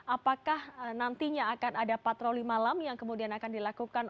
apakah nantinya akan ada patroli malam yang kemudian akan dilakukan